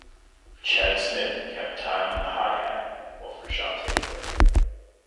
Chad Smith kept time on the hi-hat while Frusciante played.